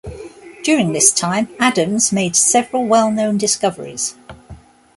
During this time, Adams made several well-known discoveries.